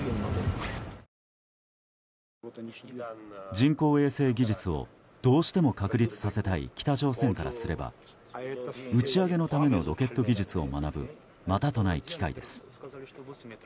人工衛星技術をどうしても確立させたい北朝鮮からすれば打ち上げのためのロケット技術を学ぶまたとない機会です。